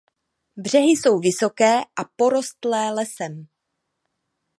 Břehy jsou vysoké a porostlé lesem.